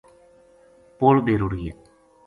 پل بے رُڑ گیا